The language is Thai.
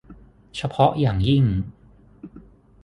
เฉพาะอย่างยิ่ง